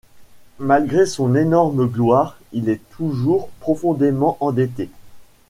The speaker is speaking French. Malgré son énorme gloire, il est toujours profondément endetté.